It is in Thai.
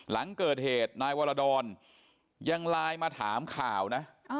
หลังเกิดเหตุนายวรดรยังไลน์มาถามข่าวนะ